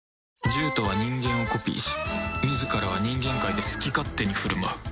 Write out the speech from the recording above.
獣人は人間をコピーし自らは人間界で好き勝手に振る舞う